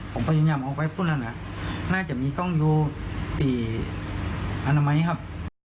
ผมพ๊ยิยยยยำออกไปบุคล่ะนะน่าจะมีต้องอยู่อันตรายแน่มั้ยครับ